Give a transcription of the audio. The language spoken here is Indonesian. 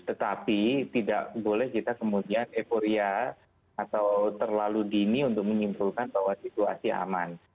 tetapi tidak boleh kita kemudian eporia atau terlalu dini untuk menyimpulkan bahwa situasi aman